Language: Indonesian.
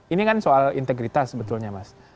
ini kan soal integritas sebetulnya mas